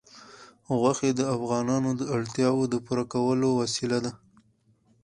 غوښې د افغانانو د اړتیاوو د پوره کولو وسیله ده.